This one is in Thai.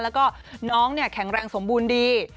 แล้วก็น้องแข็งแรงสมบูรณ์ดี